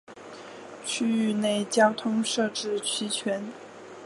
区域内交通设置齐全。